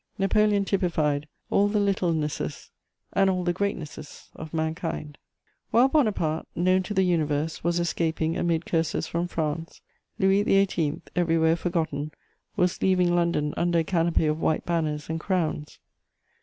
Napoleon typified all the littlenesses and all the greatnesses of mankind. * While Bonaparte, known to the universe, was escaping amid curses from France, Louis XVIII., everywhere forgotten, was leaving London under a canopy of white banners and crowns.